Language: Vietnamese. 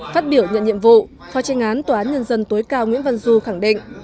phát biểu nhận nhiệm vụ phó tranh án tòa án nhân dân tối cao nguyễn văn du khẳng định